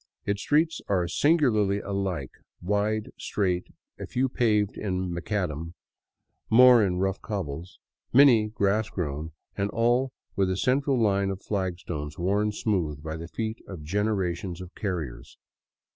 Its streets are singularly alike, wide, straight, a few paved in macadam, more in rough cobbles, many grass grown and all with a central line of flagstones worn smooth by the feet of generations of carriers.